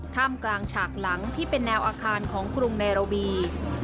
ท่ามกลางฉากหลังที่เป็นแนวอาคารของกรุงเนรวี